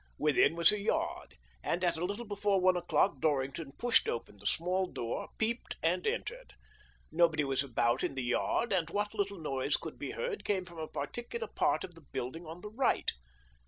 Within was a yard, and at a little before one o'clock Dor rington pushed open the small door, peeped, and entered. Nobody was about in the yard, and what little noise could be heard came from a particular part of the building on the right.